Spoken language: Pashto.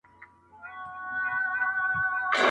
زوی له پلار څخه بېزاره ورور له ورور بېله کړي لاره؛